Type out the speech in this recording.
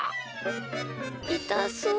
いたそう。